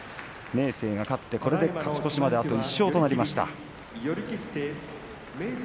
明生が勝ってこれで、勝ち越しまであと１勝となりました。